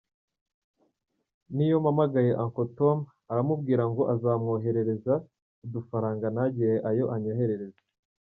N’iyo mpamagaye uncle Tom, aramubwira ngo azamwoherereza udufaranga, ntagire ayo anyoherereza.